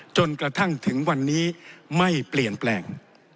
จนกระทั่งถึงวันนี้ไม่เปลี่ยนแปลง